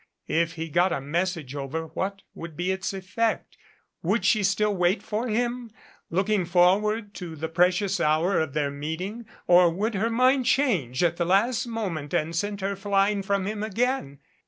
If he got a message over what would be its effect? Would she still wait for him, looking forward to the precious hour of their meeting? Or would her mind change at the last moment and send her flying from him again?